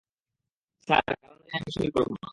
Sir, কারণ না জেনে আমি সঁই করব না।